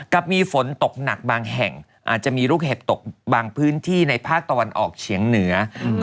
กับมีฝนตกหนักบางแห่งอาจจะมีลูกเห็บตกบางพื้นที่ในภาคตะวันออกเฉียงเหนือ